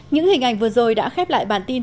những hình ảnh vừa rồi đã khép lại bản tin